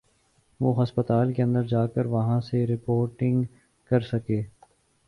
وہ ہسپتال کے اندر جا کر وہاں سے رپورٹنگ کر سکے۔